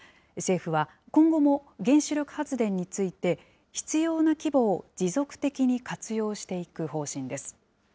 政府は、今後も原子力発電について、必要な規模を持続的に活用していく方針です。